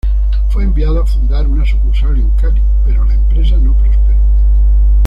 Fue enviado a fundar una sucursal en Cali pero la empresa no prosperó.